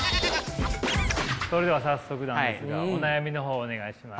それでは早速なんですがお悩みの方お願いします。